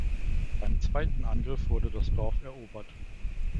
Beim zweiten Angriff wurde das Dorf erobert.